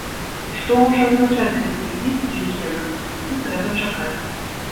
Што можа азначаць гэты візіт і якія наступствы трэба чакаць?